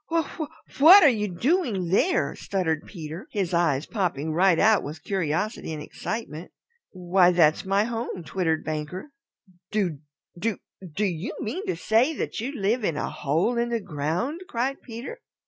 "Wha wha what were you doing there?" stuttered Peter, his eyes popping right out with curiosity and excitement. "Why, that's my home," twittered Banker. "Do do do you mean to say that you live in a hole in the ground?" cried Peter.